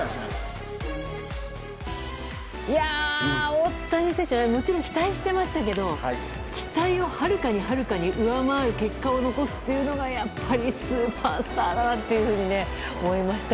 大谷選手にはもちろん期待していましたけど期待をはるかに、はるかに上回る結果を残すというのがやっぱりスーパースターだなと。